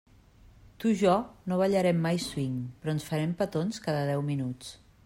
Tu i jo no ballarem mai swing, però ens farem petons cada deu minuts.